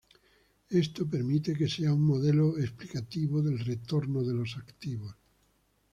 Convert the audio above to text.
Esto permite que sea un modelo explicativo del retorno de los activos.